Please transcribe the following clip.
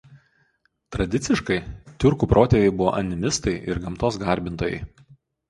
Tradiciškai tiurkų protėviai buvo animistai ir gamtos garbintojai.